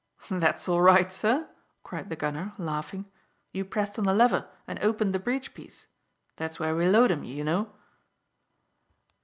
"That's all right, sir," cried the gunner laughing. "You pressed on the lever and opened the breech piece. That's where we load 'em, you know."